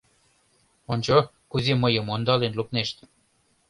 Ончо, кузе мыйым ондален лукнешт?